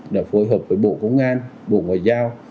đã phối hợp với bộ công an bộ ngoại giao